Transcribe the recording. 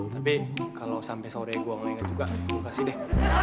tapi kalo sampe sore gue gak inget juga gue kasih deh